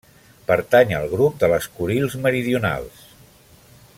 Pertany al grup de les Kurils meridionals.